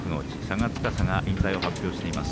磋牙司が引退を発表しています。